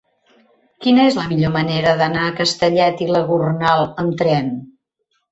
Quina és la millor manera d'anar a Castellet i la Gornal amb tren?